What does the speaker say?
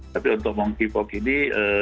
tapi untuk monkeypox ini